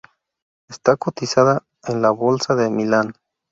Está cotizada en la Bolsa de Milán.